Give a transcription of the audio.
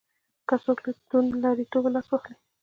که څوک له توندلاریتوبه لاس واخلي.